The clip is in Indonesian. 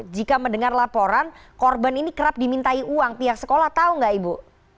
jika mendengar laporan korban ini kerap dimintai uang pihak sekolah tahu nggak ibu